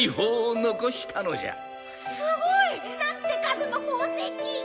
すごい！なんて数の宝石！